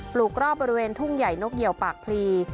ลูกรอบบริเวณทุ่งใหญ่นกเหี่ยวปากพลี